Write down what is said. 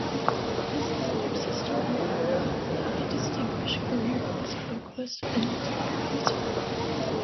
His elder sister, Mira, had a distinguished career as a vocalist and music professor.